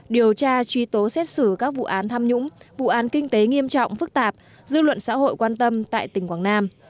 điều tra truy tố xét xử các vụ án tham nhũng vụ án kinh tế nghiêm trọng phức tạp dư luận xã hội quan tâm tại tỉnh quảng nam